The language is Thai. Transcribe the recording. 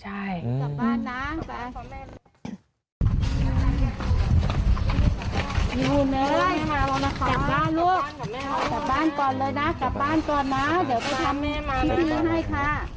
เหมือนมันเอาใจก็มันก็ชอบแล้วนะ